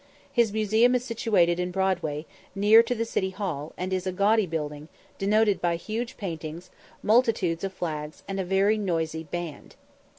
His museum is situated in Broadway, near to the City Hall, and is a gaudy building, denoted by huge paintings, multitudes of flags, and a very noisy band.